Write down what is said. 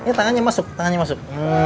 ini tangannya masuk